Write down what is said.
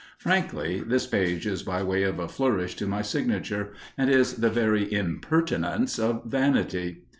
Frankly, this page is by way of a flourish to my signature, and is the very impertinence of vanity.